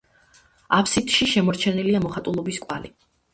აბსიდში შემორჩენილია მოხატულობის კვალი.